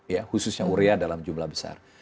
ya khususnya urea dalam jumlah besar